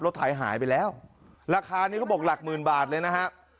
ไถหายไปแล้วราคานี้เขาบอกหลักหมื่นบาทเลยนะฮะ